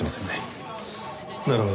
なるほど。